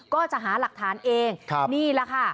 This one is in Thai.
ก็จะหาหลักฐานเองนี่แหละค่ะ